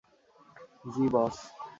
জি, বস।